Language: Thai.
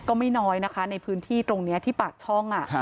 ก็ไม่น้อยนะคะในพื้นที่ตรงนี้ที่ปากช่อง